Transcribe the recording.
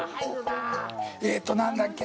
えっと、何だっけ。